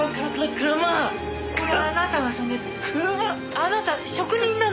あなた職人なの？